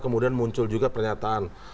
kemudian muncul juga pernyataan